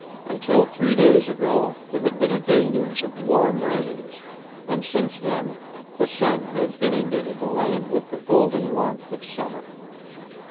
Until three days ago there had been a deluge of warm rains, and since then the sun had inundated the land with the golden warmth of summer.